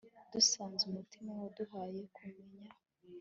dusanze umutima waduhaye kumenya